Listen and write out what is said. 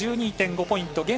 ３１２．５ポイント